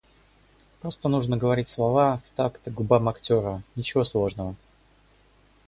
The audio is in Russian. Просто нужно говорить слова в такт губам актера, ничего сложного.